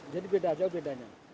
jadi beda jauh bedanya